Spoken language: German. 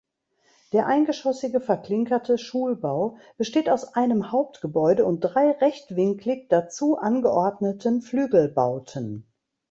Der eingeschossige verklinkerte Schulbau besteht aus einem Hauptgebäude und drei rechtwinklig dazu angeordneten Flügelbauten.